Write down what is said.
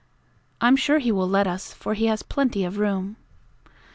"I'm sure he will let us, for he has plenty of room."